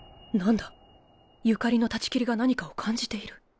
所縁の断ち切りが何かを感じている